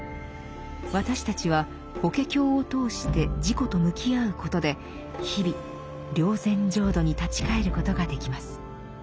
私たちは「法華経」を通して自己と向き合うことで日々「霊山浄土」に立ち返ることができます。